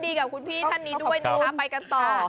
ดีกับคุณพี่ท่านนี้ด้วยนะคะไปกันต่อ